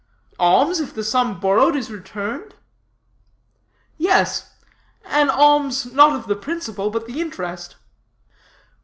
"Alms, if the sum borrowed is returned?" "Yes: an alms, not of the principle, but the interest."